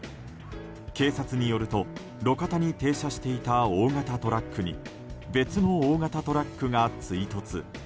警察によると路肩に停車していた大型トラックに別の大型トラックが追突。